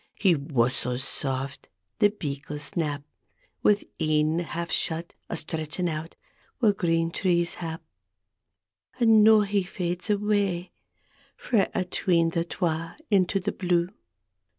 He whusslits saft; the beagles nap Wi' een half shut, a stretchin' out Whaur green trees hap. And noo he fades awa' Frae 'tween the twa — into the blue.